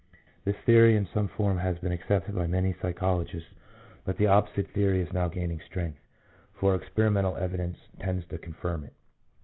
This theory in some form has been accepted by many psychologists, but the opposite theory is now gaining strength, for experimental evidence tends to confirm it.